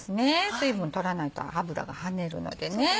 水分取らないと油が跳ねるので。